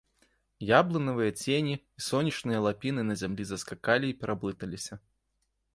Яблынавыя цені і сонечныя лапіны на зямлі заскакалі і пераблыталіся.